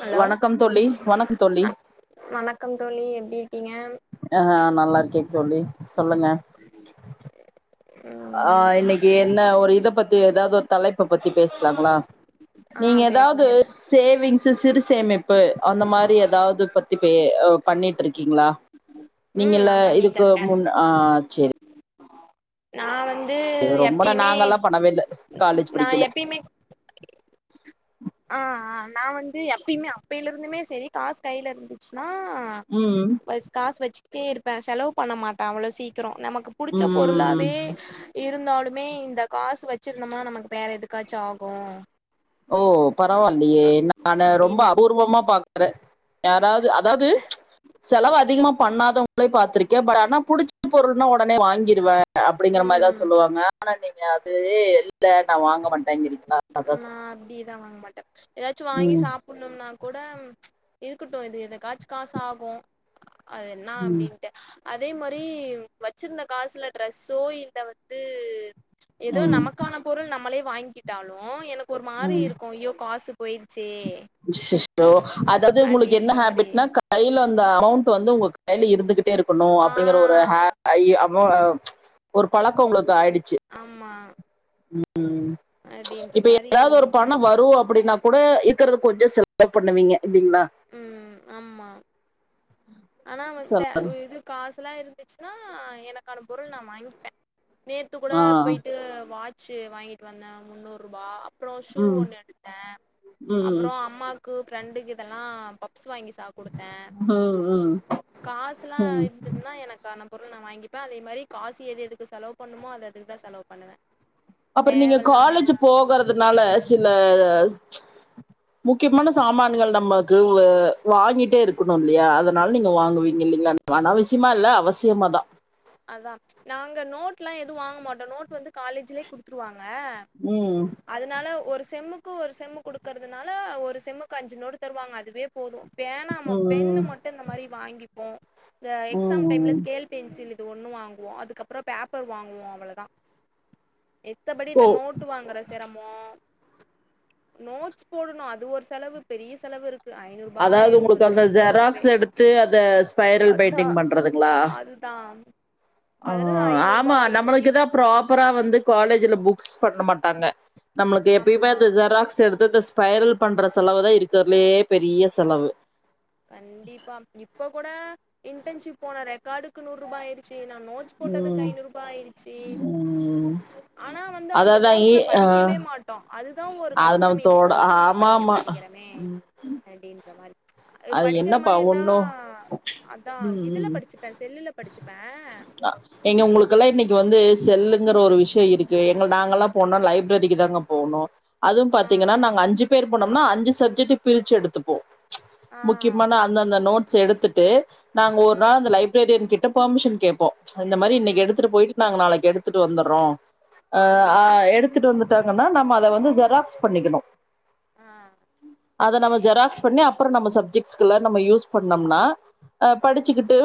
Hello வணக்கம் தோழி வணக்க தோழி வணக்கம் தோழி எப்டி இருக்கீங்க அ நல்லா இருக்கே தோழி சொல்லுங்க அ ம் இன்னைக்கி என்ன ஒரு இத பத்தி எதாவுது ஒரு தலைப்ப பத்தி பேசலாங்ளா ஆ நீங்க பேசலா எதாவ்து இது சேவிங்ஸ்ஸு சிறு சேமிப்பு அந்த மாரி எதாவுது பத்தி பே அ பண்ணிட்ருக்கீங்ளா ம் நா நீங்களா பண்ணிட்தா இதுக்கு இருக்கே முன் அ சேரி நா வந்து ரொம்பலா எப்பயுமே நாங்கலா பண்ணவேல்ல காலேஜ் நா படிக்கில எப்பயுமே அ அ நா வந்து எப்பயுமே அப்பயிலருந்துமே செரி காசு கையில இருந்துச்சுனா ம் [unintelligible] காசு வெச்சுகிட்டே இருப்ப செலவு பண்ணமாட்ட அவ்ளோ சீக்கிரோ நமக்கு புடிச்ச ம் பொருளாவே இருந்தாலுமே இந்த காசு வச்சுருந்தம்னா நமக்கு வேற எதுக்காச்சு ஆகு ஓ பரவால்லியே நானு ரொம்ப அப்டின் அபூர்வமா பாக் குற யாராவ்து அதாவ்து செலவு அதிகமா பண்ணாதவங்கள்யு பாத்துருக்கே பட் ஆனா புடிச்ச பொருள்னா ஒடனே வாங்கிருவ அப்பிடிங்கிற மாரிதா ம் சொல்லுவாங்க ஆனா நீங்க அதுவே இல்ல நா வாங்க மாட் ம் நா அப்டிதா வாங்க மாட்ட எதாச்சு வாங்கி ம், சாப் புண்ணும்னா கூட இருக்கட்டு இது எதுகாச்சு காசு ஆகு அது என்னா ம், அப்டின்ட்டு அதே மாரி வச்சிருந்த காசுல ட்ரெஸ்ஸோ இல்ல வந்து எதோ ம், நமக்கான பொருள் நம்மளே வாய்ங்கிட்டாலு எனக்கு ஒரு மாரி இருக்கு ஐயோ காசு போய்டிச்சே அஷ்ஷஸோ அதாவுது உங்குளுக்கு என்ன மாரி ஹேபிட்னா கையில அந்த அமௌண்ட்டு வந்து உங்க கையில இருந்துகிட்டே இருக்குணு ஆ அப்பிடிங்கிற ஒரு ஹே ஆயி அமொ அ ஒரு பழக்கோ உங்குளுக்கு ஆயிடிச்சி ஆமா ம் அப்டின்ற இப்ப மாரி எதாவ்து ஒரு பணோ வரு அப்பிடினா கூட இப் இருக்றது கொஞ்சோ செலவு பண்ணுவீங்க இல்லீங்ளா ம் ஆமா ஆனா வந் த சொல்ல- இது காசுலா இருந்துச்சுனா எனக்கான பொருள் நா வாங்கிப்பே நேத்து கூட ஆ. போய்ட்டு வாட்ச்சு வாங்கிட்டு வந்தே முன்னூருபா ப்புறோ ஷூ ம், ஒண்ணு எடுத்தே ம், அப்புறோ அம்மாக்கு ஃப்ரெண்டுக்கு இதல்லா பப்ஸ் வாங்கி சா கொடுத்தே ம் ம் காசுலா ம். இருந்துதுனா எனக் கான பொருள் நா வாங்கிப்பே அதே மாரி காசு எது எதுக்கு செலவு பண்ணுமோ அது அதுக்குதா செலவு பண்ணுவே அப்புறோ நீங்க தேவல்லாம காலேஜ் போகுறதுனால சில முக்கியமான சாமான்கள் நமக்கு வ வாங்கிட்டே இருக்கணுல்லியா அதுனால நீங்க வாங்குவீங்கல்லிங்ளா அநாவசியமால்ல அவசியமாதா அதா நாங்க நோட்லா எது வாங்க மாட்டோ நோட் வந்து காலேஜ்லே குடுத்துருவாங்க ம் அதுனால ஒரு செம்முக்கு ஒரு செம்மு குடுக்கறதுனால ஒரு செம்முக்கு அஞ்சு நோட்டு தருவாங்க அதுவே போது பேனா ம் ம் பெண்ணு மட்டு இந்த மாரி வாங்கிப்போ இந்த ம் எக்ஸாம் டைம்ல ம் ஸ்கேல் பென்சில் இது ஒண்ணு வாங்குவோ அதுக்கப்பறோ பேப்பர் வாங்குவோ அவ்ளதா எத்தபடி ஓ இந்த நோட்டு வாங்குற தெறமோ நோட்ஸ் போடுணு அது ஒரு செலவு பெரிய செலவுருக்கு ஐநூறு அதாவுது ஒங்குளுக்கு அந்த ஜெராக்ஸ் எடுத்து அத ஸ்பைரல் பைண்டிங் பண்றதுங்ளா தாம் அ ஆமா இப் நம்முளுக்குதா ப்ராப்பரா வந்து காலேஜ்ல புக்ஸ் பண்ண மாட் டாங்க நம்முளுக்கு எப்பயுமே ஆமா அந்த ஜெராக்ஸ் எடுத்து இந்த ஸ்பைரல் பண்ற செலவு தா இருக்கிறதுலயே பெரிய செலவு கண்டிப்பா இப்ப கூட இன்டன்ஷிப் போன ரெக்கார்டுக்கு நூரூபாயிரு ச்சி நா நோட்ஸ் போட்டதுக்கு ம் ஐநூரூபா ஆயிரிச்சி ம் ஆனா வந்து அந்த அதாதா இ நோட்ஸ்ல ஆ படிக்கவே மாட் ட்டோ அதுதா ஒரு அது நம்ம கஷ்டமே தோட போட்டு நம்ம ஆமா படிக்க ஆமா மாட்டிங்கிறமே அப்டின்ற மாரி அது படிக்கிற என்னப்பா மாரி இருந்தா ஒண்ணு அதான் ம் இதுல ம் படிச்சுப்பேன் செல்லுல படிச்சுப்பேன் ஏங்க ஒங்குளுக்கல்லா இன்னக்கி வந்து செல்லுங்கற ஒரு விஷயோ இருக்கு எங்க நாங்கல்லா போனா லைப்ரரிக்கு தாங்க போணு அதுவு ஆ பாத்தீங்கனா நாங்க அஞ்சு பேர் போனோம்னா அஞ்சு சப்ஜெக்ட்டு பிரிச்சு எடுத்துப்போ ஆ முக்கியமான அந்தந்த நோட்ஸ் எடுத்துட்டு நாங்க ஒரு நாள் ம் அந்த லைப்ரரியன் கிட்ட பர்மிஷன் கேப்போ இந்த மாரி இன்னக்கி ம் எடுத்துட்டு போயிட்டு நாங்க நாளக்கி எடுத்துட்டு வந்தர்றோ அ அ ம் எடுத்துட்டு வந்து டாங்கன்னா நம்ம அத வந்து ஜெராக்ஸ் பண்ணிக்கணு அஹ் அத நம்ம ஜெராக்ஸ் பண்ணி அப்றோ நம்ம சப்ஜெக்ட்ஸ்க்லா நம்ம யூஸ் பண்ணோம்னா அ ம் படிச்சுக்கிட்டு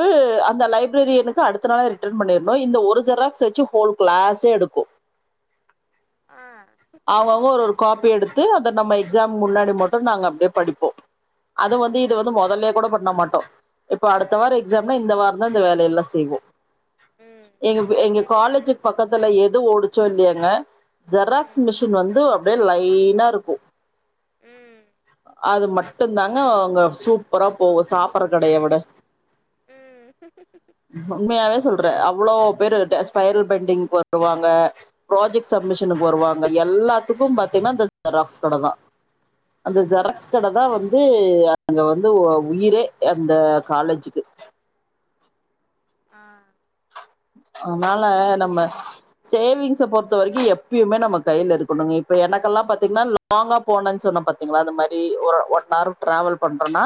அந்த லைப்ரரியனுக் த்த அடுத்த நாளே ரிட்டன் பண்ணிருணு இந்த ஒரு ஜெராக்ஸ வச்சு ஹோல் கிளாஸே எடுக்கு அஹ் அவுங்கவுங்க ஒரு ஒரு காப்பி எடுத்து அத நம்ம எக்ஸாம் முன்னாடி மட்டு நாங்க அப்டியே படிப்போ அது வந் ம் து வந்து மொதல்லே கூட பண்ண மாட்டோ இப்ப அடுத்த வாரோ ம் எக்ஸாம்னா இந்த வாரந்தா இந்த வேலையெல்லா செய்வோ ம் எங்க எங்க எல்லாருமே இப்படித்தானே காலேஜிக்கு பக்கத்துல எது ஓடிச்சோ இல்லியோங்க ஜெராக்ஸ் ம் மிஷி னு வந்து அப்டியே லைனாருக்கு ம் அது மட் ட்டுந்தாங்க அங்க சூப்பரா போவு சாப்புற கடைய விட ம் உண்மையாவேச் சொல்ற அவ்ளோ பேரு ட ஸ்பைரல் பெண்டிங்க் வருவாங்க ப்ராஜக்ட் சப்மிஷனுக் வருவாங் அங்க எல்லாத்துக்கும் பத்தீங்னா இந்த ஜெராக்ஸ் கடதா அந்த ஜெராக்ஸ் கடதா வந்து அங்க வந்து ஒ உயிரே அந்த காலேஜிக்கு ஆ [unintelligible] நம்ம சேவிங்ஸ பொறுத்த வரைக்கு எப்பியுமே நம்மக் கைல இருக்குணுங்க இப்ப எனக்கெல்லாம் பத்தீங்னா ராங்கா போனன் சொன்னம் பத்தீங்ளா அந்த மாரி ஒரு ஒன் ஆர் டிராவெல் பண்றோன்னா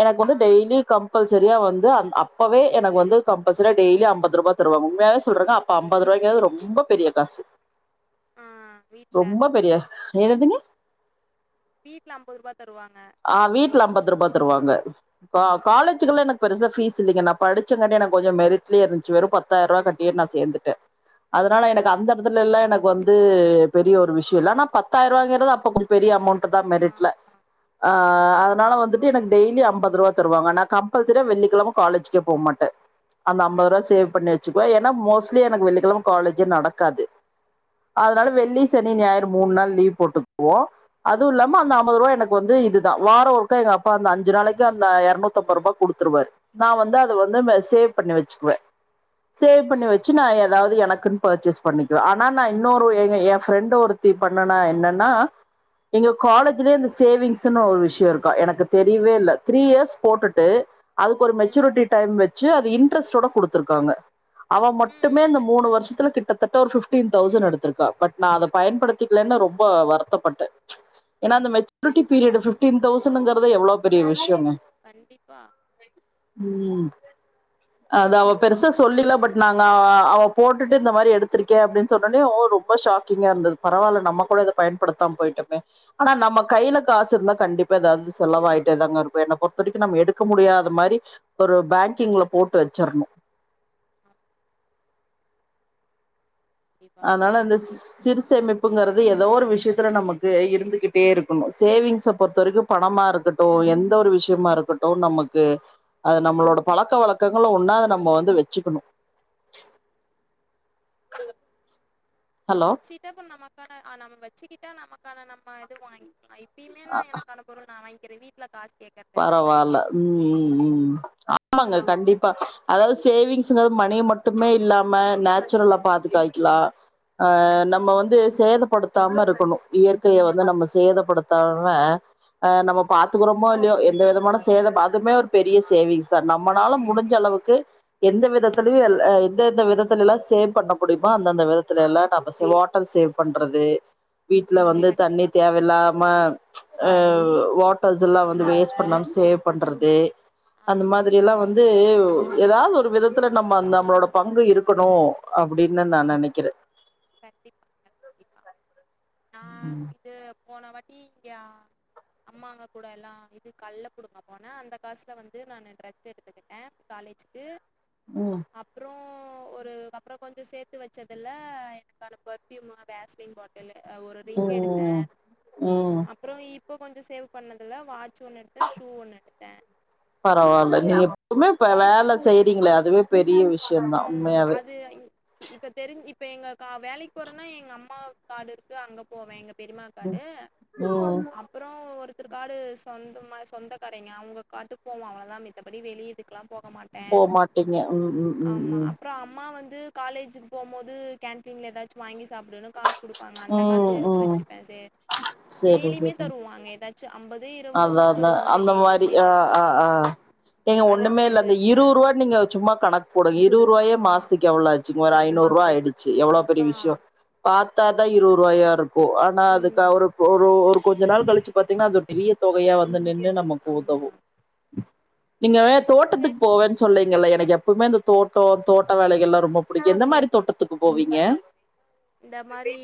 எனக்கு வந்து டெய்லி கம் பல்சரியா வந்து அந் அப்பவே எனக்கு வந்து கம்பல்சரியா டெய்லி ஐம்பதுருபாக் துருவாங்க உண்மையாவே சொல்றங்க அப்ப ஐம்பதுருவாய்ங்கது ரொம்பப் பெரிய காசு ஆ வீட்ல ரொம்ப பெரிய எனதுங்க வீட்ல ஐம்பதுருபா தருவாங்க அ வீட்ல ஐம்பதுருபா தருவாங்க கா ம் காலேஜிக்கெல்லா எனக் பெருசா ஃபீஸ் இல்லிங்க நாப் படிச்சங்காட்டி எனக்கொஞ்சம் மெரிட்லியேருந்ச்சு வெறும் பத்தாயிரவாக் கட்டியேட் நா சேந்துட்டே அதுனால ஆ எனக்கு அந்த எடத்துலேல்லா எனக்கு வந்து பெரிய ஒரு விஷியில்ல ஆனாப் பத்தாயிரவாங்கறது அப்பக் பெரிய அமௌண்ட்டுதா ஆ மெரிட்ல அ அதனால வந்துட்டு எனக்கு டெய்லி ஐம்பதுருவாத் தருவாங்க நா கம்பல்சரியா வெள்ளிக்கெழம காலேஜிக்கே போமாட்டே அந்த ஐம்பதுருவா சேவ் பண்ணி வெச்சுக்வே எனா மோஸ்ட்லி எனக்கு வெள்ளிக்கெழம காலேஜே நடக்காது ஆ அதனால வெள்ளி சனி ஞாயிறு மூன் நாள் லீவ்ப் போட்டுக்வோ அதுவு இல்லாம அந்த ம் ஐம்பதுருவா எனக்கு வந்து இத் துதா வாரோ ஒருக்கா எங்கப்பாந்து அஞ்சு நாளக்கி அந்த எரநூத்தம்பருபா குடுத்துருவாரு நா வந்து அத வந்து ம் ம சேவ் பண்ணி வெச்சுக்வே சேவ் பண்ணி ம் வெச்சு நா எதாவுது எனக்குன் பர்ச்சேஸ் பண்ணிக்வே ஆனா நா இன்னோரு எங்க எ ஃப்ரெண்டு ஒருத்தி பண்ணனா என்னன்னா எங்யோ காலேஜ்லே இந்த சேவிங்ஸ் த்துனு ஒரு விஷ்யோ இருக்கா எனக்குத் தெரியவேல்ல த்ரீ இயர்ஸ் போட்டுட்டு அதுக்கு ஒரு ம் மெச்சூரிட்டி டைம் வெட் ச்சி அது இண்ட்ரஸ்ட்டோட குடுத்துருக்காங்க அவெ ம் மட்டுமே இந்த மூனு வருஷத்துல கிட் ட்டத்தட்ட ஒரு ஃபிஃப்ட்டீன் தௌசண்ட் எடுத்துருக்கா பட் நா அத பயன்படுத்திக்லேன் நா ரொம்ப வருத்தப்பட்டே எனா அந்த மெச்சூரிட்டி பீரியடு ஃபிஃப்ட்டீன் தௌசணுங்கறது எவ்ளோப் பெரிய விஷ்யோங்க கண்டிப்பா ம் அது அவப் பெருசா சொல்லில பட் நாங்க அவா அவப் போட்டுட்டு இந்த மாரி எடுத்திருக்கே அப்டின் சொன்னோனே ஓ ரொம்ப ஷாக் கிங்காருந்தது பரவால நம்மக் கூட இதப் பயன்படுத்தாம போய்ட்டமே ஆனா நம்மக் கைலக் காசுருந்தா கண்டிப்பா எதாது செலவாயிட்டே தாங்க இருக்கு என்னப் பொறுத்த வரிக்கு நம்ம எடுக்க முடியாத மாரி ஒரு பேங்கிங்ல போட்டு வெச்சர்ணு ம் கண்டிப்பா அதனால இந்தச் சிறு சேமிப்புங்கிறது எதோ ஒரு விஷ்யத்துல நமக்கு இருந்துகிட்டே இருக்குணு சேவிங்ஸப் பொறுத்த வரைக்குப் பணமா இருக்கட்டு எந்த ஒரு விஷ்யமா இருக்கட்டு நமக்கு அது நம்மளோடப் பழக்க வழக்கங்கள்ல ஒன்னா அத நம்ப வந்து வெச்சுகுணு ஹலோ வெச்சிட்டா இப்ப நமக்கான ஆ நம்ம வெச்சிகிட்டா நமக்கான நம்ம இது வாங்கிக்லா இப்பியுமே நா எனக்கானப் பொருள் நா வாய்ங்க்கிற வீட்ல காச் பரவால்ல ம் ம் ம் ம் ஆமாங்க கண்டிப்பா அதாவ்து சேவிங்ஸ்ங்கது மணிய மட்டுமே இல்லாம நேச்சுரலப் பாத் காய்க்லா அ நம்ம வந்து சேதபடுத் தாம இருக்கணு இயற்கைய வந்து நம்ம சேதப்படுத்தாம அ நம்ம பாத்துக்குறோமோ இல் இல்லியோ எந்த விதமான சேதம் அதுமே ஒரு பெரிய சேவிங்ஸ் தா நம்மனால முடிஞ்ச கண்டிப்பா அளவுக்கு எந்த விதத்திலயு எல் எந்தந்த விதத்துலலா சேவ் பண்ண முடியுமோ அந்தந்த விதத்துல எல்லா நம்ம சேவ் வாட்டர் சேவ் பண்றது வீட்ல ம் வந்து தண்ணி கண்டிப்பா தேவல்லாம அ வாட்டர்ஸ்ஸல்லா வந் ந்து வேஸ்ட் பண்ணாம சேவ் பண்றது ஆ அந்த மாதி எல்லா வந்து ஏதாது ஒரு விதத்துல நம்ம நம்மளோட பங்கு இருக்கணு அப்பிடினு நா நெனக்கிற கண்டிப்பாங்க கண்டிப்பா நா ம் இது போன வாட்டிங்கியா அம்மாங்க கூட எல்லா இது கல்ல புடுங்க போன அந்த காசுல வந்து நானு ட்ரெத்து எடுத்து அ காலேஜிக்கு ம் அப்றோ ஒரு அப்புற கொஞ்ச சேத்து வெச்சதுல எனக்கான பெர்ஃப்யூமு வேஷ்லின் பாட் ல் ஒரு ரிங் எடுத்த ம் ம் அப்புற இப்ப கொஞ்ச சேவ் பண்ணதுல வாச் சு ஒன்னு எடுத்த ஷூ ஒன்னு எடுத்த பரவால நீங்க இப்பமே இப்ப வேல செய்றீங்களே அதுவே பெரிய விஷ் ம் அது அய் இப்ப தெரிஞ் இப்ப எங்க கா வேலக் போறன்னா எங்க அம்மா காடுருக்கு அங்கப் போவே எங்க பெரிம்மா காடு ம் அம் அப்புற ஒருத்தரு காடு சொந்தமா சொந்தக்காரங்க அவங்க காட்டுக்கு போவோ அவளோதா மித்தபடி வெளிய இதுக்கெல்லா போக மாட் போமாட்டீங்க ம் ம் ம் ம் அப்புற அம்மா வந்து காலேஜுக்கு போம்போது கேன்டீன்ல ஏதாச்சு வாங்கி சாப்டுனு காசு குடுப்பாங்க அந்த காசு ம் எடுத்து ம் வச்சுபே சே சேரி டெய்லியுமே சேரி தருவாங்க ஏதாச் அம்பது இருவது அதா முப்பது அதா இந்த மாதிரி அந்த மாரி டெய்லியுமே ஆ ஆ தருவாங்க ஆ ஏங்க அத ஒண்ணுமே இல்ல சேர்த்து இந்த வச்சுப்பேன் இருவரூவா நீங்க சும்மா கணக் போடுங் இருவரூவாயே ஆமா மாசத்துக்கு எவ்ள ஆச்சுங்க ஒரு ஐநூறு ரூவா ஆயிடுச்சி எவ்ளோ பெரிய அதான் விஷயொ பாத்தாதா இருவரூவாயா இருக்கு ஆனா அதுக்கு ம் ஒரு ஒரு ஒரு கொஞ்ச நாள் கழிச்சு பாத்தீங்ன்னா அது பெரிய தொகையா வந்து நின்னு நமக்கு ஆமா உதவு நீங்க தோட்டத்துக்கு சேத்து போவன் சொல்லீங்கல்ல எனக்கு எப்பமே இந்த தோட்டோ தோட்ட வேலைகல்லா ரொம்ப பிடிக்கு எந்த மாரி தோட்டத்துக்கு போவீங்க இந்த மாரி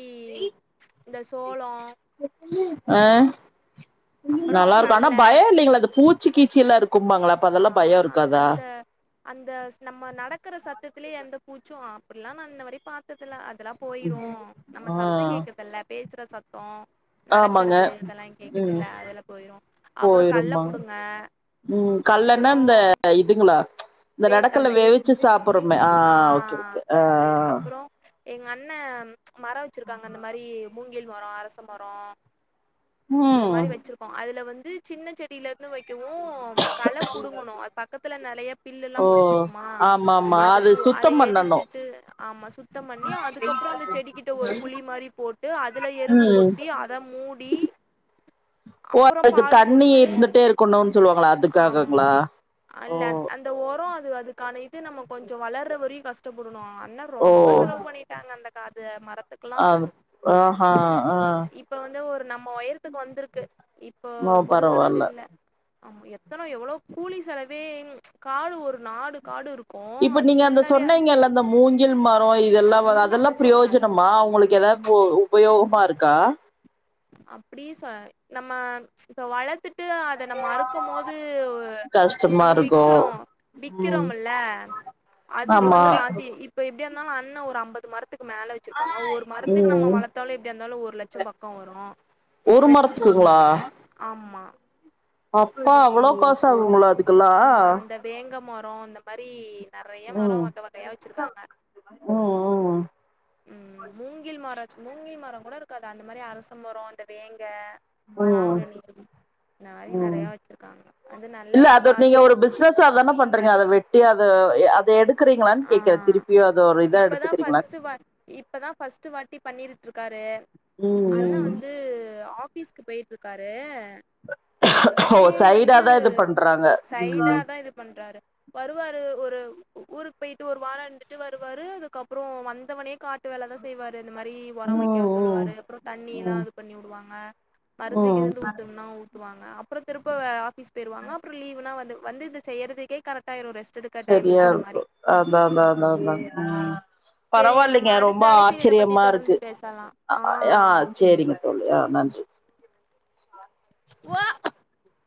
இந்த சோளோ ஆ அப்புறம் நல்லா இருக்கு ஆனா கல்ல பய இல்லைங்களா அந்த பூச் சி கீச்சி எல்லா இருக்கும்பாங்களா அப்ப ஆ அதெல்லா பயருக்காத அந்த அந்த ஸ் நம்ம நடக்கற சத்தத்திலேயே எந்த பூச்சு அப்டில்லா நான் இன்ன வரைக்கு பாத்ததுல அதெல்லாம் போயிரு நம்ம ஆ சத்த கேக்குதல்ல பேசுற சத்தோ ஆமாங்க நடக்கறது அதெல்லா கேக்குது ம் இல்ல அதுல்ல போயிறு அப்புற கல்ல போயிரும்பாங்க புடுங்க ம் அப்புற கல்லனா இந்த இதுங்ளா இந்த நெடக்கல்ல வேர்க்கல்லை வேவிச்சு சாப்புறமே ஆ ஓகே ஓகே ஆ அது அப்புற எங்க அண்ண மர வச்சிருக்காங்க இந்த மாரி மூங்கில் மரோ அரச மரோ இந்த ம் மாரி வச்சிருக்கோ அதுல வந்து சின்ன செடியில இருந்து வைக்கவு கள புடுங்கணு அது பக்கத்துல நிறைய பில்லு எல்லா ஓ முழச்சிருக்குமா ஆமா ஆமா அத அது போ அத சுத்தம் பண்ணணு எடுத்துட்டு ஆமா சுத்தம் பண்ணி அதுக்கப்புற அந்த செடிக்கிட்ட ஒரு குளி மாரி போட்டு அதுல எருகு ம் கொட்டி அத மூடி ஓ அப்புறோ அதுக்கு பாரு தண்ணி போட்டு இருந்துட்டே இருக்கணுனு சொல்லுவாங்களா ஆமா அதுக்காகங்களா ஓ அல்ல அந்த ஓரோ அது அதுக்கான இது நம்ம கொஞ்சோ வளர்ற வரையு கஷ்டப்படணு அண்ண ஓ ரொம்ப செலவு பண்ணிட்டாங்க அந்த காது மரத்துக்கெல்லா அது ஆஹா இப் ஆ இப்போ வந்து ஒரு நம்ம உயரத்துக்கு வந்திருக்கு இப்போ ஓ பரவால்ல பொடுங்கிறதில்ல ஆமா எத்தன எவ்ளோ கூலி செலவே ம் காடு ஒரு நாடு காடு ருக் இப்ப நீங்க அந்த சொன்னீங்கல்ல அந்த மூங்கில் மரோ இதெல்லா வ அதெல்லா பிரயோஜனமா அவுங்களுக்கு எதாவது போ உபயோகமா ருக்கா அப்டி சொ நம்ம இப்ப வளர் த்துட்டு அத நம்ம அறுக்கு போது ஒ கஷ்டமா நம்ம இருக்கு விக்கிறோ ம் விக்கிறோமில்ல அதுக்கு ஆமா வந்து காசி இப் இப்போ எப்டியா இருந்தாலு அண்ணே ஒரு அம்பது மரத்துக்கு மேல வச்சிருப்பாங்க ஒரு மரத்துக்கு நம்ம ம் வளத்தாலு எப்டி இருந்தாலு ஒரு லட்சோ பா ஒரு மரத்துக்குங்களா ஆமா அப்பா அவ்ளோ காச ஆகுங்களோ அதுக் ஆமா அந்த வேங்க மரோ இந்த மாரி நெறைய மரோ ம் வக வகையா வச்சிருக்காங்க ம் ம் ம் மூங்கில் மரத் மூங்கில் மர கூட இருக்காது அந்த மாரி அரச மரம் இந்த வேங்க ம் மாங்கனி இந்த மாரி ம் நெறைய வச்சிருக்காங்க அது நல்லத காசு பிஸ்னஸா அதா பண்றீங்க அத வெட்டி அத ய அத எடு இருக்கறீங்களான் ஆ கேக்குறே திருப்பியு அத ஒரு இதா எடுத்துக்கிறீங்களானு இப்ப தா ஃபஸ்ட்டு வாட்டி பண்ணிரு ட்டுருக்காரு ம் அண்ண ம் வந்து ஆபீஸ்க்கு போயிட்டுருக்காரு ஓ அப்டியே சைடா வந்து தா இது பண்றாங்க சைடா ம் தா இது பண்றாரு வருவாரு ஒரு ஊ ஊருக்கு போயிட்டு ஒரு வாரோ இருந்துட்டு வருவாரு அதுக்கப்பறோ வந்தவனே காட் டு வேலதா செய்வாரு இந்த மாரி ம் உரோ வக்க ம் சொல்லுவாரு அப்பறோ தண்ணி எல்லா ம் இது பண்ணி வுடுவாங்க மருந்து ம் கிருந்து ஊத்தனுனா ஊத் து வாங்க அப்பறோ திருப்ப வ ஆஃபிஸ் போயிருவாங்க அப்பறோ லீவ்னா வந்து வந்து இந்த செய்றதுக்கே கரெக்டா ஆயிரு ரெஸ்ட்டு எடு சரியா இருக்கு அதா அதா அதா அதா ம் சேரிங்க நம்ம பரவால்லீங்க அடுத்த ரொம்ப அழைப்பில் இத பத்தி ஆச்சிரியமா தொடர்ந்து ருக்கு பேசலா ஆ அ ஆ சேரிங்க தோழி ஆ நன்றி ஓ [inaudible]